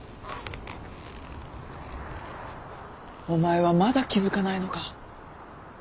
お前はまだ気付かないのか。